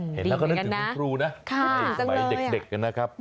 เห็นแล้วก็นึกถึงคุณครูนะในสมัยเด็กกันนะครับ